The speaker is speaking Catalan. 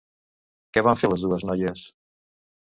Què van fer les dues noies?